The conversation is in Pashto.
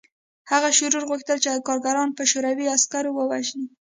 هغه شرور غوښتل چې کارګران په شوروي عسکرو ووژني